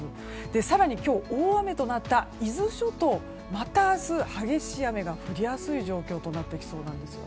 更に今日大雨となった伊豆諸島また明日激しい雨が降りやすい状況となりそうなんですね。